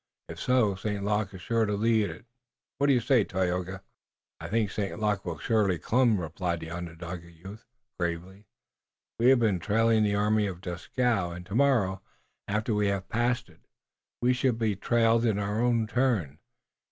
If so, St. Luc is sure to lead it. What do you say, Tayoga?" "I think St. Luc will surely come," replied the Onondaga youth gravely. "We have been trailing the army of Dieskau, and tomorrow, after we have passed it, we shall be trailed in our turn.